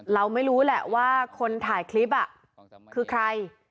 เราไม่รู้แหละว่าคนถ่ายคลิปคือใคร